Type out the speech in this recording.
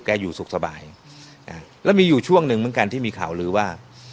อยู่สุขสบายอ่าแล้วมีอยู่ช่วงหนึ่งเหมือนกันที่มีข่าวลือว่า